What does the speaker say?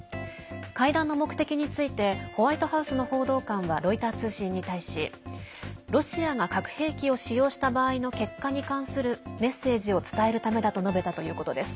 会談の目的についてホワイトハウスの報道官はロイター通信に対しロシアが核兵器を使用した場合の結果に関するメッセージを伝えるためだと述べたということです。